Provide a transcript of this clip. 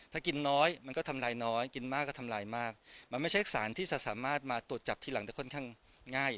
ถ้ากินน้อยมันก็ทำลายน้อยกินมากก็ทำลายมากมันไม่ใช่สารที่จะสามารถมาตรวจจับทีหลังได้ค่อนข้างง่าย